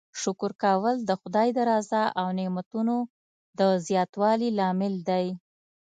شکر کول د خدای د رضا او نعمتونو د زیاتوالي لامل دی.